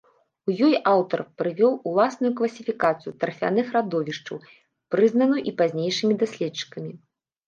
У ёй аўтар прывёў уласную класіфікацыю тарфяных радовішчаў, прызнаную і пазнейшымі даследчыкамі.